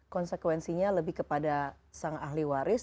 konsekuensinya lebih kepada sang ahli waris